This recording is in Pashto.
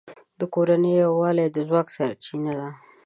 د کورنۍ یووالی د ځواک سرچینه ده.